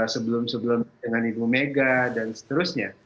sebelum sebelum dengan ibu mega dan seterusnya